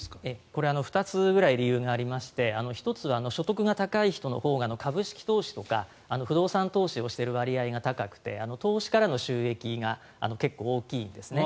これ、２つぐらい理由がありまして１つは所得が高い人のほうが株式投資とか不動産投資をしている割合が高くて投資からの収益が結構、大きいんですね。